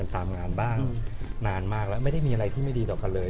ตามงานบ้างนานมากแล้วไม่ได้มีอะไรที่ไม่ดีต่อกันเลย